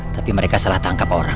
tapi mereka salah tangkap orang